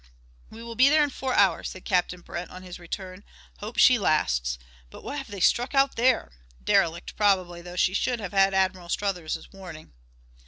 "We will be there in four hours," said Captain Brent on his return. "Hope she lasts. But what have they struck out there? Derelict probably, though she should have had Admiral Struthers' warning."